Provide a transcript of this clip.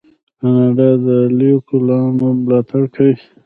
کاناډا د لیکوالانو ملاتړ کوي.